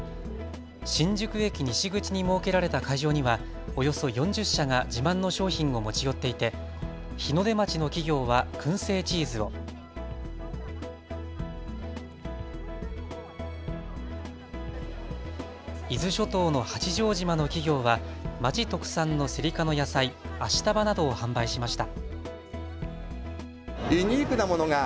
新宿駅西口に設けられた会場にはおよそ４０社が自慢の商品を持ち寄っていて日の出町の企業はくん製チーズを、伊豆諸島の八丈島の企業は町特産のセリ科の野菜、アシタバなどを販売しました。